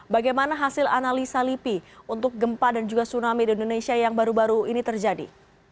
bagaimana hasil analisa lipi untuk gempa dan juga tsunami di indonesia yang baru baru ini terjadi